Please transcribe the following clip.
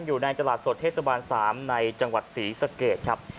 อยู่ในตลาดสดเทศบาล๓ในจังหวัดศรีสะเกดครับ